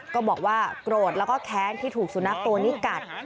ก็บอกว่าโกรธแล้วก็แค้นที่ถูกสุนัขตัวนี้กัด